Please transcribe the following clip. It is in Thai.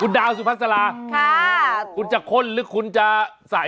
ดาวสุภาษาลาค่ะคุณจะข้นหรือคุณจะใส่